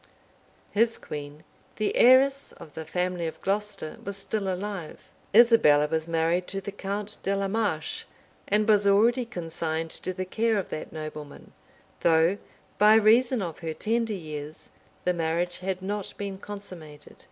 His queen, the heiress of the family of Glocester, was still alive: Isabella was married to the count de la Marche, and was already consigned to the care of that nobleman; though, by reason of her tender years, the marriage had not been consummated.